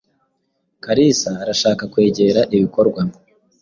Kalisa arashaka kwegera ibikorwa.